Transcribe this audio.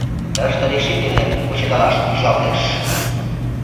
Тыште решительно кучедалаш ӱжалтеш.